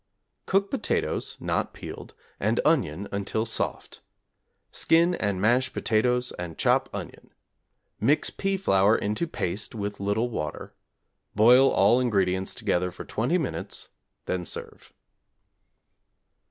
Cook potatoes, (not peeled), and onion until soft. Skin and mash potatoes and chop onion. Mix pea flour into paste with little water. Boil all ingredients together for 20 minutes, then serve.